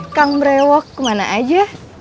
eh kang mrewok kemana aja